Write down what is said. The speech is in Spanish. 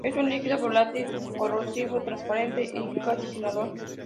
Es un líquido volátil, corrosivo, transparente y casi sin olor.